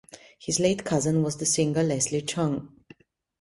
His late cousin was the singer Leslie Cheung.